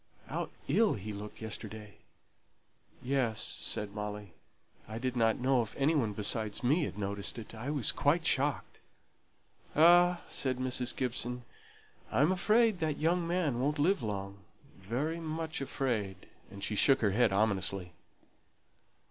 How ill he looked yesterday!" "Yes," said Molly; "I didn't know if any one besides me had noticed it. I was quite shocked." "Ah," said Mrs. Gibson, "I'm afraid that young man won't live long very much afraid," and she shook her head ominously.